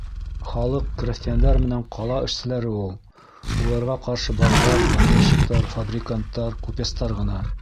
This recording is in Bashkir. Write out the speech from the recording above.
Халыҡ — крәҫтиәндәр менән ҡала эшселәре ул. Уларға ҡаршы байҙар, помещиктар, фабриканттар, купецтар ғына.